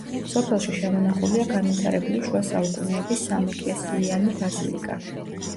სოფელში შემონახულია განვითარებული შუა საუკუნეების სამეკლესიიანი ბაზილიკა.